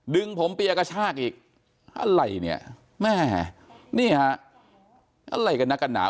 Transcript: ดึงผมเปียกระชากอีกอะไรเนี่ยแม่นี่ฮะอะไรกันนักกันหนา